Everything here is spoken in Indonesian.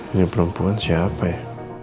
ini perempuan siapa ya